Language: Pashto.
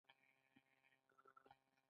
استخدام باید د ظرفیتونو د پراختیا لپاره وشي.